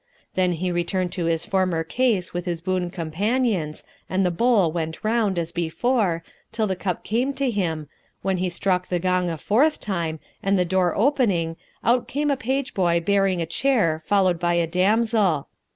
Then he returned to his former case with his boon companions and the bowl went round as before, till the cup came to him, when he struck the gong a fourth time and the door opening, out came a page boy bearing a chair followed by a damsel.